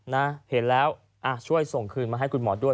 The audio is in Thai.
นะเห็นแล้วช่วยส่งคืนมาให้คุณหมอด้วย